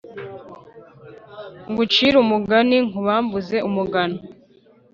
ngucire umugani nkubambuze umugano